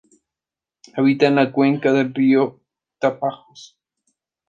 Habita en la cuenca del río Tapajós.